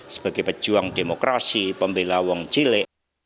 sebagai pejuang demokrasi pembelawang cile